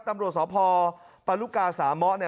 ตำรวจสพปรุกาสามะ